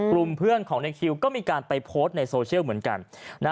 กลุ่มเพื่อนของในคิวก็มีการไปโพสต์ในโซเชียลเหมือนกัน